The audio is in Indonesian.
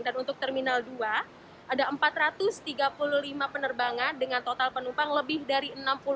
untuk terminal dua ada empat ratus tiga puluh lima penerbangan dengan total penumpang lebih dari enam puluh lima